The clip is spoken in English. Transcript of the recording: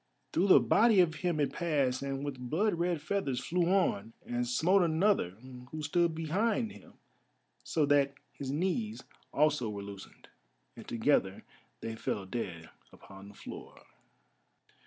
Through the body of him it passed and with blood red feathers flew on, and smote another who stood behind him so that his knees also were loosened, and together they fell dead upon the floor.